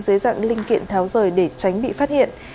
dưới dạng linh kiện tháo rời để tránh bị phát hiện